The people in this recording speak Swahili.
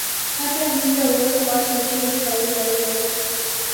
Hata hivyo uwepo wake Nchini Saudi Arabia